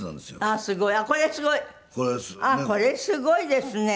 あっこれすごいですね。